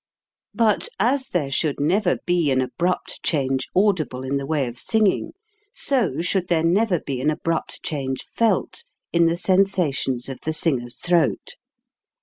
But, as there should never be an abrupt change audi ble in the way of singing, so should there never be an abrupt change felt in the sensa tions of the singer's throat.